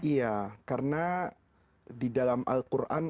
iya karena di dalam al quran